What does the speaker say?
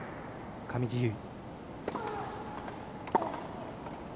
上地結衣。